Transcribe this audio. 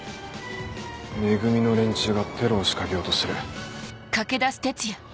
「め組」の連中がテロを仕掛けようとしてる。